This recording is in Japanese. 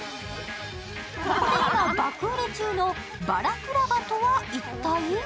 ここで今、爆売れ中のバラクラバとは一体？